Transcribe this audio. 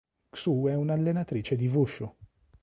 Xu è un'allenatrice di Wushu.